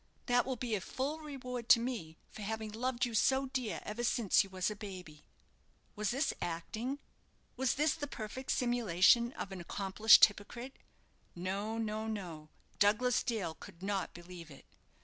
that will be a full reward to me for having loved you so dear ever since you was a baby." Was this acting? Was this the perfect simulation of an accomplished hypocrite? No, no, no; Douglas Dale could not believe it.